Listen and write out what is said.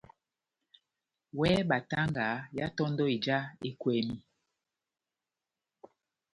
Wɛ batanga yá tondò ija ekwɛmi.